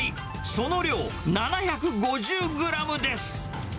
その量、７５０グラムです。